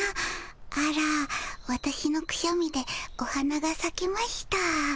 あらわたしのくしゃみでお花がさきました。